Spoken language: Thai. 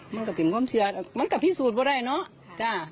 มันก็เป็นความเชื่อมันก็พิสูจน์ว่าได้เนาะ